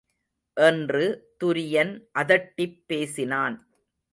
என்று துரியன் அதட்டிப் பேசினான்.